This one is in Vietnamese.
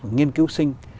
nghiên cứu sinh